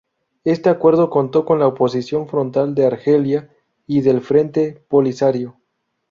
Este acuerdo contó con la oposición frontal de Argelia y del Frente Polisario.